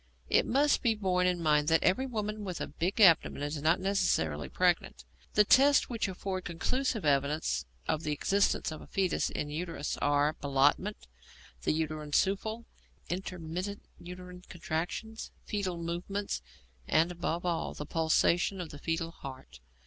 It must be borne in mind that every woman with a big abdomen is not necessarily pregnant. The tests which afford conclusive evidence of the existence of a foetus in the uterus are Ballottement, the uterine souffle, intermittent uterine contractions, foetal movements, and, above all, the pulsation of the foetal heart.